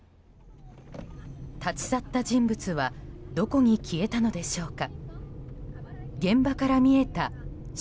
立ち去った人物はどこに消えたのでしょうか。